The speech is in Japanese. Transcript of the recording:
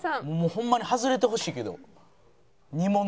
ホンマに外れてほしいけど。